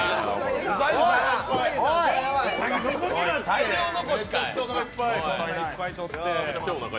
大量残しか。